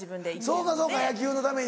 そうかそうか野球のために。